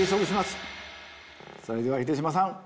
それでは秀島さん